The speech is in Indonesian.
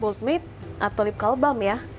bold mid atau lip kalbam ya